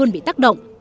bị tác động